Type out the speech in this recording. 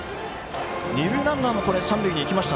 二塁ランナーも三塁に行きました。